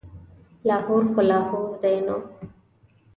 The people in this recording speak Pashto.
لاهور خو لاهور دی نو.